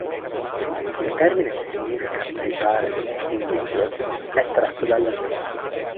Il termine, che significa "ritardo", "indugio", è tratto dal latino.